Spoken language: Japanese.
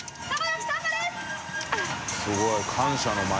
すごい。）